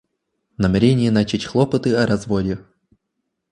Намерение начать хлопоты о разводе.